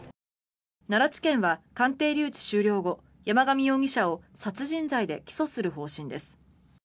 奈良地検は鑑定留置終了後山上容疑者を殺人罪で起訴する方針です。